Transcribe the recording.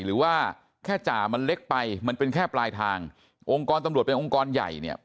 หรือว่าแค่จ่ามันเล็กไปมันเป็นแค่ปลายทางองค์กรตำรวจเป็นองค์กรใหญ่เนี่ย